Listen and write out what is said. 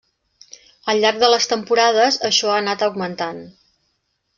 Al llarg de les temporades això ha anat augmentant.